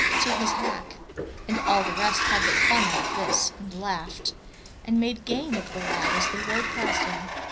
to his hack. And all the rest had their fun out of this, and laughed, and made game of the lad as they rode past him.